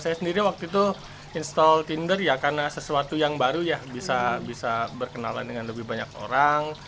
saya sendiri waktu itu install tinder karena sesuatu yang baru bisa berkenalan dengan lebih banyak orang